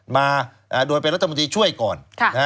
มาโดยเป็นรัฐมนตรีช่วยก่อน